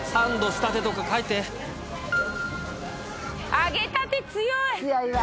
揚げたて強い。